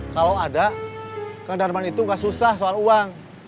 kalau ada kang darman itu nggak susah soal uang